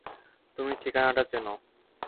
তুমি ঠিকানাটা চেনো।